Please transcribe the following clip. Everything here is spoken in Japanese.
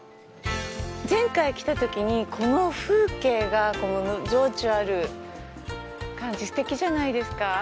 前回来たときにこの風景が、この情緒ある感じすてきじゃないですか？